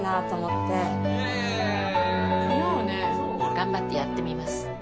頑張ってやってみます。